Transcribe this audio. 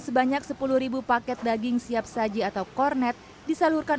sebanyak sepuluh paket daging siap saji atau kornet disalurkan